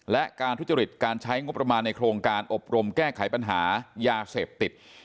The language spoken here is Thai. และการทุจริตการใช้งบประมาณในโครงการอบรมแก้ไขปัญหายาเสพติด